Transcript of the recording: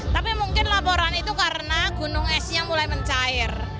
tapi mungkin laporan itu karena gunung esnya mulai mencair